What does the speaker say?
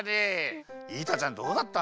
イータちゃんどうだった？